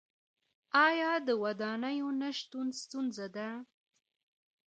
آیا د ودانیو نشتون ستونزه ده؟